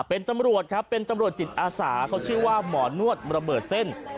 เป็นตำรวจครับเป็นตำรวจจิตอาสาเขาชื่อว่าหมอนวดระเบิดเส้น